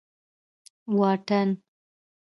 واټن